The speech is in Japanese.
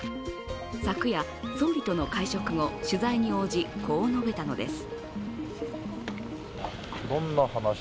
昨夜、総理との会食後取材に応じ、こう述べたのです。